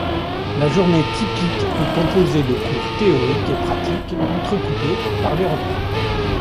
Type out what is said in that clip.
La journée typique est composée de cours théoriques et pratiques, entrecoupés par les repas.